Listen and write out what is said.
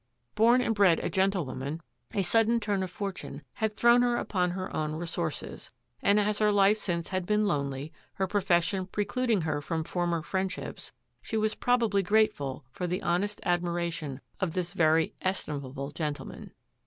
Bom and bred a gentlewoman, a sudden turn of fortune had thrown her upon her own resources, and as her life since had been lonely, her pro fession precluding her from former friendships, she was probably grateful for the honest admira tion of this very estimable gentleman.